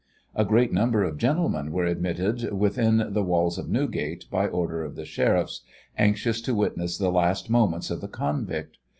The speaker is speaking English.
A great number of gentlemen were admitted within the walls of Newgate, by orders of the sheriffs, anxious to witness the last moments of the convict.